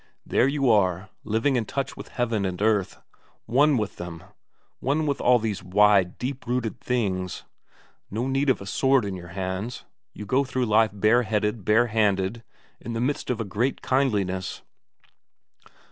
There you are, living in touch with heaven and earth, one with them, one with all these wide, deep rooted things. No need of a sword in your hands, you go through life bareheaded, barehanded, in the midst of a great kindliness.